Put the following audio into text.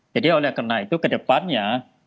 jadi oleh karena itu kedepannya